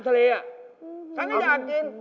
พี่เก๋